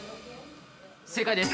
◆正解です！